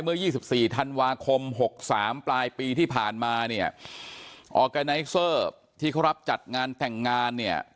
๒๔ธันวาคม๖๓ปลายปีที่ผ่านมาเนี่ยออร์แกไนเซอร์ที่เขารับจัดงานแต่งงานเนี่ย